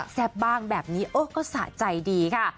แซ่บบ้างแบบนี้ก็สะใจดีค่ะ